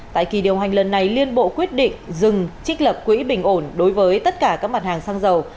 tại kỳ điều hành lần này liên bộ quyết định dừng trích lập quỹ bình ổn đối với tất cả các mặt hàng xăng dầu